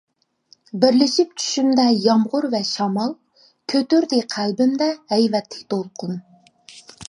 بىرلىشىپ چۈشۈمدە يامغۇر ۋە شامال، كۆتۈردى قەلبىمدە ھەيۋەتلىك دولقۇن.